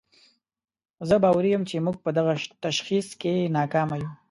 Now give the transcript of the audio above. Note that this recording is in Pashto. زه باوري یم چې موږ په دغه تشخیص کې ناکامه یو.